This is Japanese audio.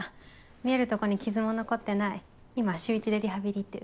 見えるとこに傷も残ってない今週１でリハビリ行ってる。